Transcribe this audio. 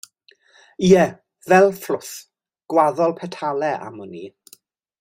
Ie, fel fflwff, gwaddol petalau am wn i.